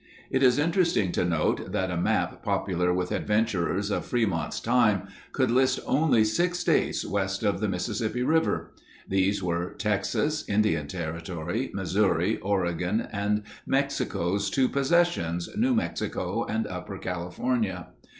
It is interesting to note that a map popular with adventurers of Fremont's time could list only six states west of the Mississippi River. These were Texas, Indian Territory, Missouri, Oregon, and Mexico's two possessions—New Mexico and Upper California.